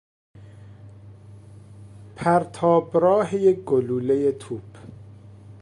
پرتابراه یک گلولهی توپ